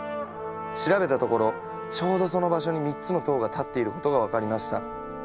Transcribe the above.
調べたところちょうどその場所に３つの塔が建っていることが分かりました。